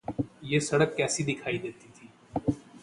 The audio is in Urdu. یہ سڑک کیسی دکھائی دیتی تھی۔